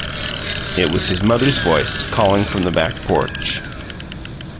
It was his mother's voice, calling from the back porch.